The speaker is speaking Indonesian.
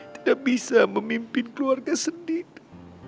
tidak bisa memimpin keluarga sendiri